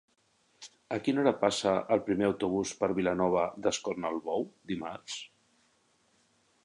A quina hora passa el primer autobús per Vilanova d'Escornalbou dimarts?